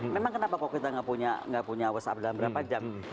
memang kenapa kok kita nggak punya whatsapp dalam berapa jam